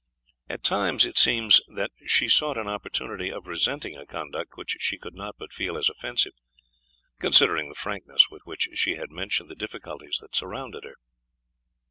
At times it seemed that she sought an opportunity of resenting a conduct which she could not but feel as offensive, considering the frankness with which she had mentioned the difficulties that surrounded her.